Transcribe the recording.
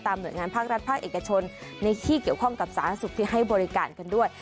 หน่วยงานภาครัฐภาคเอกชนในที่เกี่ยวข้องกับสาธารณสุขที่ให้บริการกันด้วย